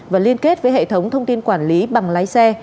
và liên kết với hệ thống thông tin quản lý bằng lái xe